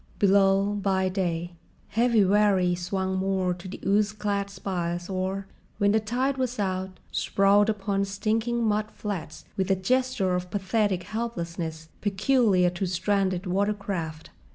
Below, by day, heavy wherries swung moored to the ooze clad spiles or, when the tide was out, sprawled upon stinking mud flats with a gesture of pathetic helplessness peculiar to stranded watercraft.